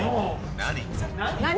何？